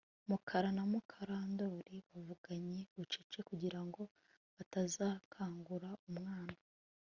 Mukara na Mukandoli bavuganye bucece kugirango batazakangura umwana